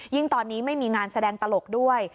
ตอนนี้ไม่มีงานแสดงตลกด้วย